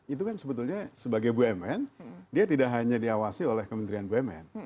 itu kan sebetulnya sebagai bumn dia tidak hanya diawasi oleh kementerian bumn